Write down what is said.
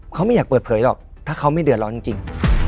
เขาไม่อยากเปิดเผยหรอกถ้าเขาไม่เดือดร้อนจริง